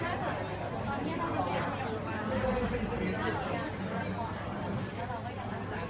ถ้าเกิดตอนนี้ก็ไม่มีความรู้สึกนะครับถ้าเกิดตอนนี้ก็ไม่มีความรู้สึกนะครับ